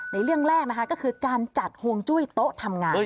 เรื่องแรกนะคะก็คือการจัดห่วงจุ้ยโต๊ะทำงาน